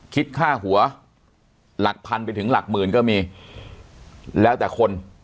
คิดค่าหัวหลักพันไปถึงหลักหมื่นก็มีแล้วแต่คน